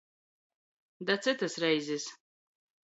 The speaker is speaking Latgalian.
Da cytys reizis.